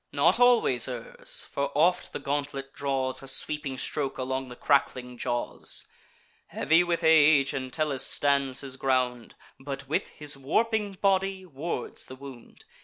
Nor always errs; for oft the gauntlet draws A sweeping stroke along the crackling jaws. Heavy with age, Entellus stands his ground, But with his warping body wards the wound.